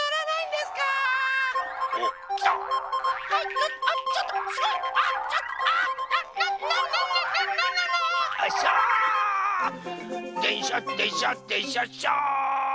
「でんしゃでんしゃでんしゃっしゃ」